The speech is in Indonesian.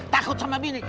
takut sama bini